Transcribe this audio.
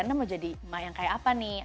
nah mau jadi emak yang kayak apa nih